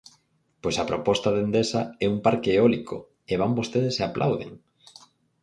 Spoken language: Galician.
Pois a proposta de Endesa é un parque eólico, e van vostedes e aplauden.